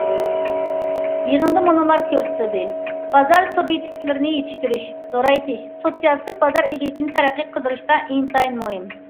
يىغىندا مۇنۇلار كۆرسىتىلدى: بازار سۇبيېكتلىرىنى يېتىشتۈرۈش، زورايتىش سوتسىيالىستىك بازار ئىگىلىكىنى تەرەققىي قىلدۇرۇشتا ئىنتايىن مۇھىم.